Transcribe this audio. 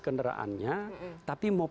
kenderaannya tapi mau